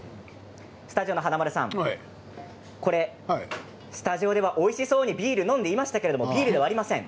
スタジオの華丸さんスタジオではおいしそうにビール飲んでいましたけれどビールではありません。